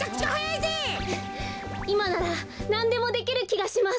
いまならなんでもできるきがします。